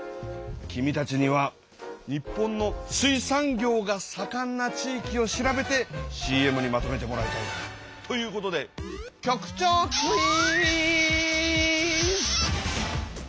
君たちには日本の「水産業がさかんな地域」を調べてＣＭにまとめてもらいたい。ということで局長クイズ！